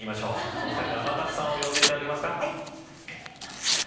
お２人で天達さんを呼んでいただけますか。